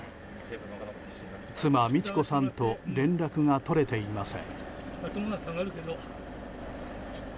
妻・路子さんと連絡が取れていません。